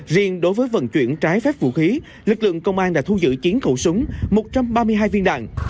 riêng đối với vận chuyển trái phép vũ khí lực lượng công an đã thu giữ chín khẩu súng một trăm ba mươi hai viên đạn